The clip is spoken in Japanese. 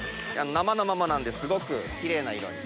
生のままなんですごくキレイな色に。